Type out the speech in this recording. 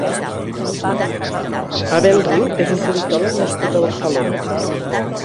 Abel Riu és un politòleg nascut a Barcelona.